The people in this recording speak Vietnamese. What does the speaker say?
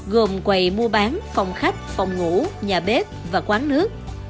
gồm quầy mua bán phòng khách phòng ngủ nhà bếp và quán nước